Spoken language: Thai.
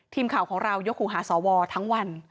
ทีมข่าวของเรายกหูหาสวทั้งวัน